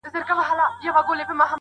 چي ګیدړان راځي د شنه زمري د کور تر کلي،